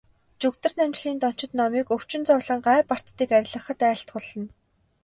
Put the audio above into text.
Жүгдэрнамжилын дончид номыг өвчин зовлон, гай барцдыг арилгахад айлтгуулна.